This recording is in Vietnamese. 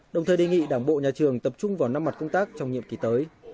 đồng thời đề nghị đảng bộ nhà trường tập trung vào năm mặt công tác trong nhiệm kỳ tới